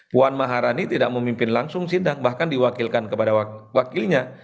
puan maharani tidak memimpin langsung sidak bahkan diwakilkan kepada wakilnya